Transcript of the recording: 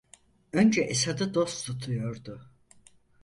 Önce Esad'ı dost tutuyordu.